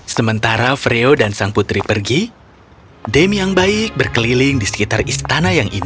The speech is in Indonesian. sementara freyo dan sang putri pergi dem yang baik berkeliling di sekitar istana yang yang lain